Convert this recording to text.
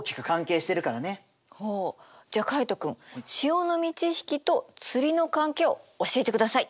おじゃあカイト君潮の満ち引きと釣りの関係を教えてください。